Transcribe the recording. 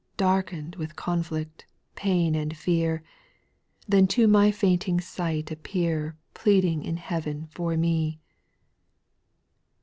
Darkened with conflict, pain, and fear, Then to my fainting sight appear Pleading in heav'n for me.